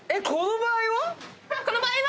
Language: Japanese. この場合は。